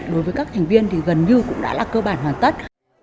đối với các thành viên gần như đã là cơ bản hoàn tất